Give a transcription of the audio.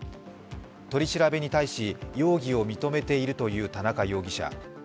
取り調べに対し、容疑を認めているという田中容疑者。